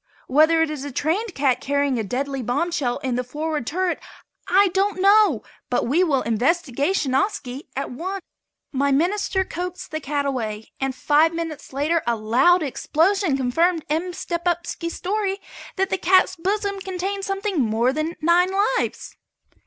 Whether it is a trained cat carrying a deadly bombshell in the forward turret, I don't know, but we will investigationiski at once." My minister coaxed the cat away and five minutes later a loud explosion confirmed M. Stepupski's theory that the cat's bosom contained something more than nine lives.